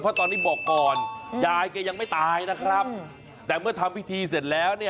เพราะตอนนี้บอกก่อนยายแกยังไม่ตายนะครับแต่เมื่อทำพิธีเสร็จแล้วเนี่ย